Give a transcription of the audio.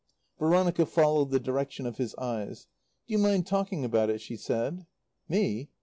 Veronica followed the direction of his eyes. "Do you mind talking about it?" she said. "Me?